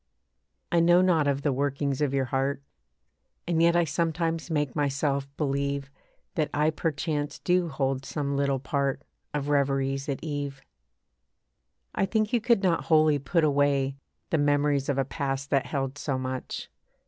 I know not of the workings of your heart; And yet I sometimes make myself believe That I perchance do hold some little part Of reveries at eve. I think you could not wholly put away The memories of a past that held so much.